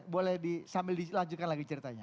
boleh sambil dilanjutkan lagi ceritanya